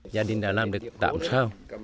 gia đình đã làm được tạm sào